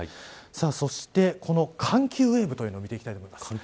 そして、この寒気ウェーブというのを見ていきます。